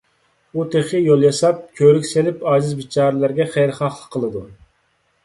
ئۇ تېخى يول ياساپ، كۆۋرۈك سېلىپ، ئاجىز - بىچارىلەرگە خەيرخاھلىق قىلىدۇ.